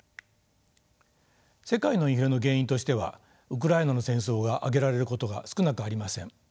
世界のインフレの原因としてはウクライナの戦争が挙げられることが少なくありません。